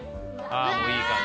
ああもういい感じ。